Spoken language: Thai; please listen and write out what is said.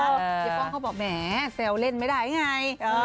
เฮียป้องเขาบอกแม้เสลเล่นไม่ได้ไง